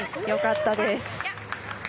良かったです。